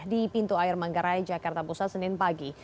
di pintu air manggarai jakarta pusat senin pagi